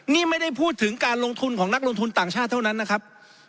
นี่ไม่ได้พูดถึงการลงทุนของนักลงทุนต่างชาติเท่านั้นนะครับ